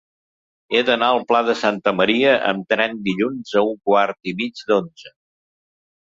He d'anar al Pla de Santa Maria amb tren dilluns a un quart i mig d'onze.